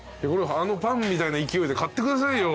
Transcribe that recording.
あのパンみたいな勢いで買ってくださいよ。